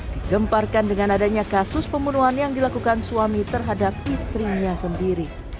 digemparkan dengan adanya kasus pembunuhan yang dilakukan suami terhadap istrinya sendiri